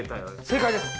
正解です！